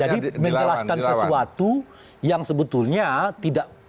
jadi menjelaskan sesuatu yang sebetulnya tidak penyelenggara